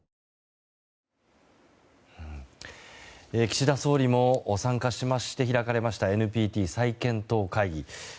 岸田総理も参加しまして開かれましたＮＰＴ再検討会議。